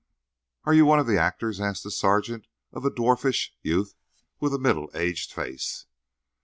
"Are you one of the actors?" asked the sergeant of a dwarfish youth with a middle aged face.